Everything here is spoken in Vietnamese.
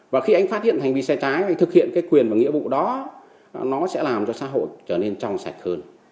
và khi anh phát hiện hành vi sai trái anh thực hiện cái quyền và nghĩa vụ đó nó sẽ làm cho xã hội trở nên trong sạch hơn